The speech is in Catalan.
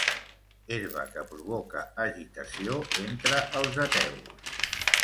Herba que provoca agitació entre els ateus.